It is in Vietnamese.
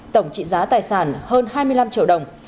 tổng trị giá tài sản hơn hai mươi năm triệu đồng